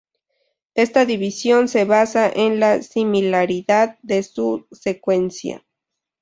Esta división se basa en la similaridad de su secuencia.